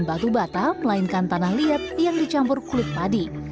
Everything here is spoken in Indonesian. batu bata melainkan tanah liat yang dicampur kulit padi